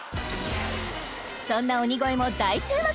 そんな鬼越も大注目